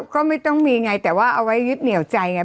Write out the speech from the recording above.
ก็ไม่ต้องมีไงแต่ว่าเอาไว้ยึดเหนียวใจไง